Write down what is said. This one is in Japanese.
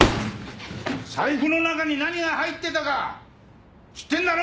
財布の中に何が入ってたか知ってんだろ！